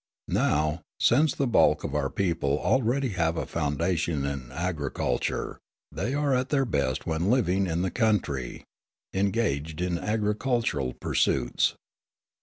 Now, since the bulk of our people already have a foundation in agriculture, they are at their best when living in the country, engaged in agricultural pursuits.